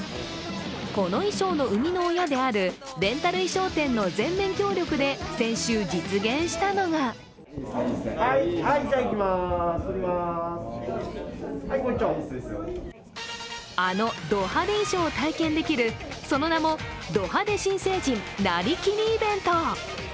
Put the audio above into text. この衣装の生みの親であるレンタル衣装店の全面協力で先週、実現したのがあの、ド派手衣装を体験できるその名もド派手新成人なりきりイベント。